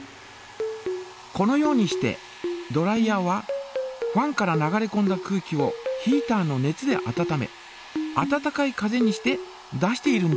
このようにしてドライヤーはファンから流れこんだ空気をヒータの熱で温め温かい風にして出しているんです。